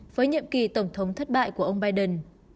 với nhiệm kỳ tổng thống thất bại của ông biden